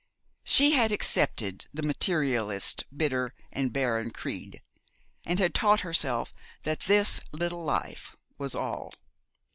She had accepted the Materialist's bitter and barren creed, and had taught herself that this little life was all.